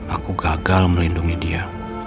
aku gagal melindungi dia